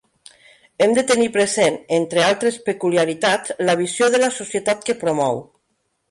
Hem de tenir present, entre altres peculiaritats, la visió de la societat que promou.